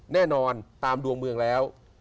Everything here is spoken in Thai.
แน่นอนตามดวงเมืองแล้ว